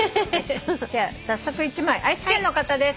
じゃあ早速１枚愛知県の方です。